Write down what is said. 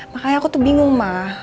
makanya aku tuh bingung mah